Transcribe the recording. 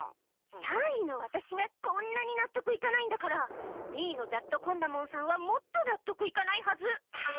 三位のワタシがこんなになっとくいかないんだから二位の雑渡昆奈門さんはもっとなっとくいかないはず！